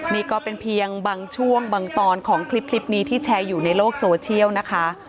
นี่ก็เป็นเพียงบางช่วงบางตอนของคลิปนี้ที่แชร์อยู่ในโลกโซเชียลนะคะ